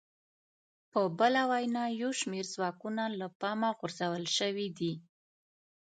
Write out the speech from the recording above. په بله وینا یو شمېر ځواکونه له پامه غورځول شوي دي